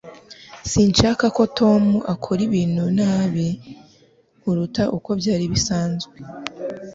Sinshaka ko Tom akora ibintu nabi kuruta uko byari bisanzwe.